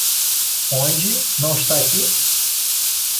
Onde não está aqui?